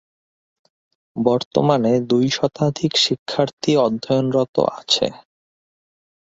বর্তমানে দুই শতাধিক শিক্ষার্থী অধ্যয়নরত আছে।